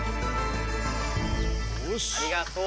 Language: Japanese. ありがとう。